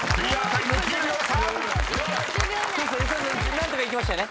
何とかいきましたよね。